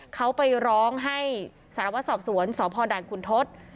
สารวัติสรอบสวรสภด้านขุนทศ